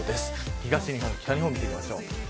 東日本、北日本を見ていきます。